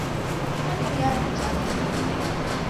Igari jabuduka